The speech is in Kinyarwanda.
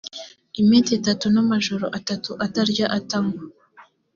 iminsi itatu n amajoro atatu atarya atanywa